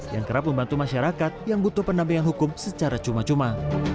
yang kerap membantu masyarakat yang butuh pendampingan hukum secara cuma cuma